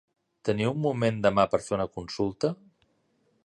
Teniu un moment demà per fer una consulta?